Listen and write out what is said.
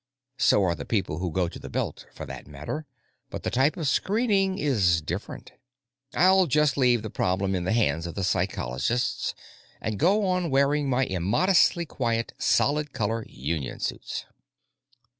So are the people who go to the Belt, for that matter, but the type of screening is different. I'll just leave that problem in the hands of the psychologists, and go on wearing my immodestly quiet solid color union suits.